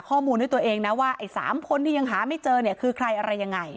ข้อมูลด้วยตัวเองนะว่าไอ้๓คนที่ยังหาไม่เจอเนี่ยคือใครอะไรยังไง